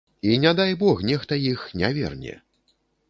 І, не дай бог, нехта іх не верне.